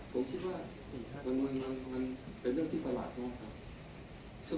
ผมคิดว่ามันเป็นเรื่องที่ประหลาดมากครับ